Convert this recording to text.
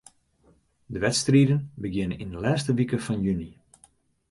De wedstriden begjinne yn 'e lêste wike fan juny.